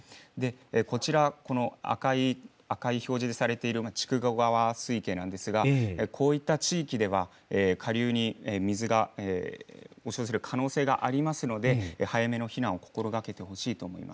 こちら、この赤い表示されている筑後川水系なんですが、こういった地域では下流に水が押し寄せる可能性がありますので、早めの避難を心がけてほしいと思います。